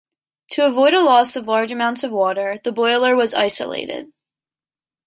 To avoid a loss of large amounts of water, the boiler was isolated.